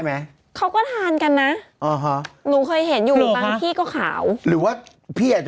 ไม่ต้องให้คุณผู้ชมที่เรารู้อยู่